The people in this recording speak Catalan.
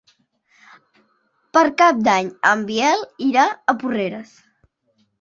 Per Cap d'Any en Biel irà a Porreres.